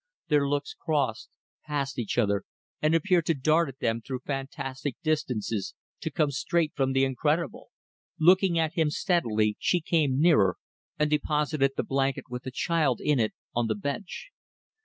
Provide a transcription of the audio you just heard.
Their looks crossed, passed each other, and appeared to dart at them through fantastic distances, to come straight from the incredible. Looking at him steadily she came nearer, and deposited the blanket with the child in it on the bench.